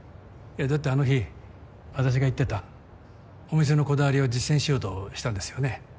だってあの日私が言ってたお店のこだわりを実践しようとしたんですよね？